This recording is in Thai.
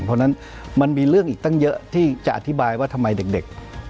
เพราะฉะนั้นมันมีเรื่องอีกตั้งเยอะที่จะอธิบายว่าทำไมเด็ก